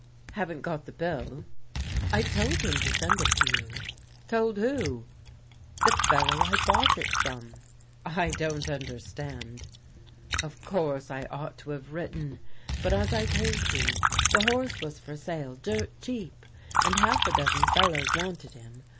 Haven't got the bill ? I told him to send it to you.* Told who?" 99 "Haven't got the bill?" it " The fellow I bought it from." " I don't understand." Of course I ought to have written. But as I told you, the horse was for sale dirt cheap, and half a dozen fellows wanted him.